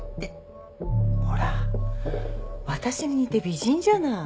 ほら私に似て美人じゃない。